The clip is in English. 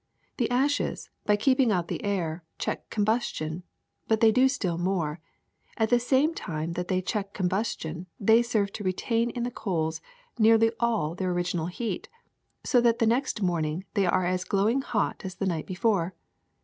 The ashes, by keeping out the air, check combustion ; but they do still more : at the same time that they check combustion they serve to retain in the coals nearly all their original heat, so that the next morning they are as glowing hot as the night before.